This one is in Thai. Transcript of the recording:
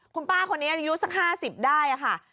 คุณป้าคนนี้อายุสัก๕๐ได้ค่ะ